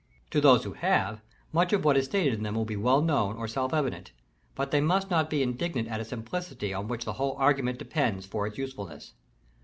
To those who have, much of what is stated in them will be well known or self evident; but they must not be indignant at a simplicity on which the whole argument depends for its usefulness.